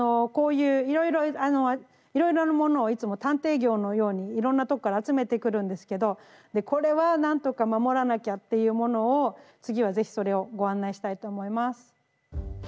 こういういろいろなものをいつも探偵業のようにいろんなとこから集めてくるんですけどでこれは何とか守らなきゃっていうものを次は是非それをご案内したいと思います。